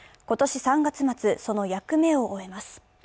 今年３月末、その役目を終えます。